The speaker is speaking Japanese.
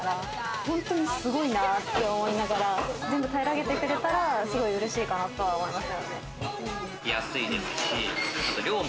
本当にすごいなって思いながら、全部、たいらげてくれたら、すごいうれしいと思います。